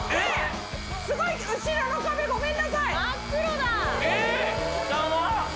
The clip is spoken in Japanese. すごい後ろの壁ごめんなさい。